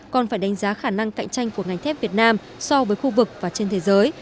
còn phải đánh giá khả năng cạnh tranh của ngành thép việt nam so với khu vực và trên thế giới